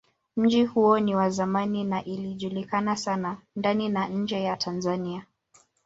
Mji huo ni wa zamani na ilijulikana sana ndani na nje ya Tanzania.